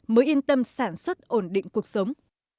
mới yên tâm sản xuất ổn định cuộc sống